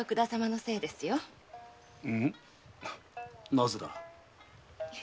なぜだ？